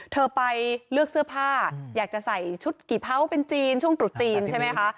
เธอไปเลือกเสื้อผ้าอยากจะใส่ชุดกี่เผาเป็นจีนช่วงตรุษจีนใช่ไหมคะ